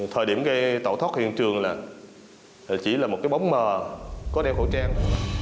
thời điểm gây tẩu thoát hiện trường là chỉ là một cái bóng mờ có đeo khẩu trang